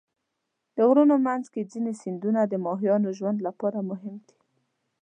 د غرونو منځ کې ځینې سیندونه د ماهیانو ژوند لپاره مهم دي.